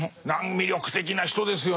魅力的な人ですよね。